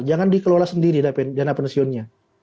jangan dikelola sendiri dana pensiunnya